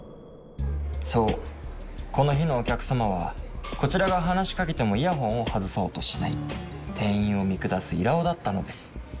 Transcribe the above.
そうこの日のお客様はこちらが話しかけてもイヤホンを外そうとしない店員を見下すイラ男だったのです。